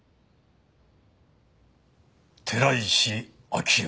寺石明生。